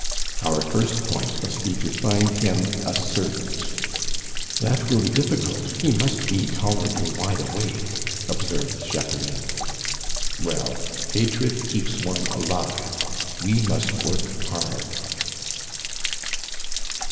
"Our first point must be to find him a servant." "That will be difficult; he must be tolerably wide awake," observed Jacqueline. "Well, hatred keeps one alive! We must work hard."